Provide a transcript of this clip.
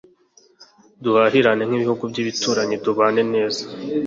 duhahirane nk'ibihugu by'ibituranyi tubane neza